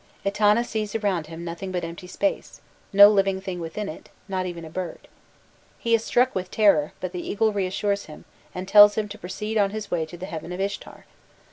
Etana sees around him nothing but empty space no living thing within it not even a bird: he is struck with terror, but the eagle reassures him, and tells him to proceed on his way to the heaven of Ishtar.